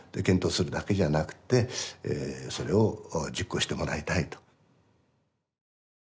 検討するだけじゃなくてそれを実行してもらいたいと。